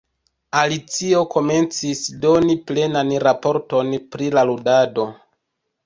Alicio komencis doni plenan raporton pri la ludado.